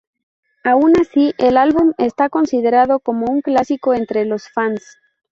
Aun así, el álbum está considerado como un clásico entre los fans.